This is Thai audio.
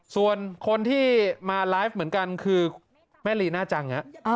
ส่วนคนที่มาไลฟ์เหมือนกันคือแม่ลีน่าจัง